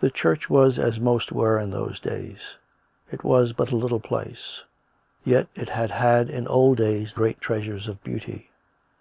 The church was as most were in those days. It was but a little place, yet it had had in old days great treasures of beauty.